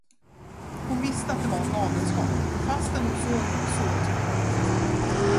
Hon visste att det var galenskap, fastän hon såg dem så tydligt.